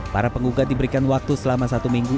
para penggugat diberikan waktu selama satu minggu